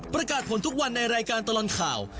ประกาศผลทุกวันในรายการตลอดข่าว